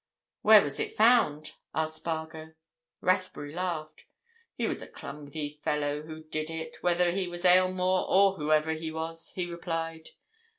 "Where was it found?" asked Spargo. Rathbury laughed. "He was a clumsy fellow who did it, whether he was Aylmore or whoever he was!" he replied.